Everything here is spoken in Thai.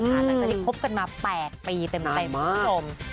มันจะได้พบกันมา๘ปีเต็มพรุ่งลม